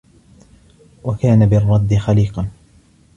وَكَانَ بِالرَّدِّ خَلِيقًا